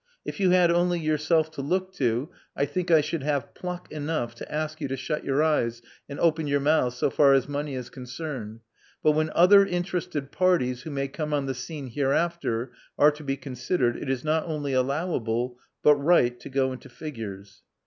If you had only yourself to look to, I think I should have pluck enough to ask you to shut your eyes and open your mouth so far as money is concerned ; but when other interested parties who may come on the scene hereafter are to be considered, it is not only allowable but right to go into figures.